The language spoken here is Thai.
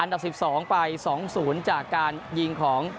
อันดับ๑๒ไป๒สูญจากการยิงของ